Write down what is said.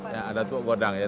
ya datuk wadang ya